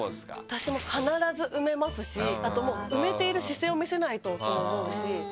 私も必ず埋めますしあと埋めている姿勢を見せないととも思うし。